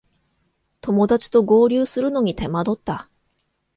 友だちと合流するのに手間取った